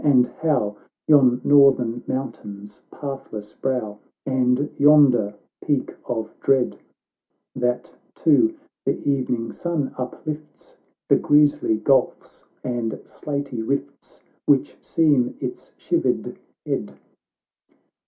and how Yon northern mountain's pathless brow, And yonder peak of dread, That to the evening sun uplifts The griesly gulphs and slaty rifts, Which seam its shivered head